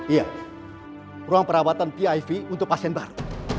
iya ruang perawatan vip untuk pasien baru